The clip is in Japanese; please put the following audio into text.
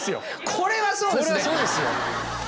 これはそうですよ。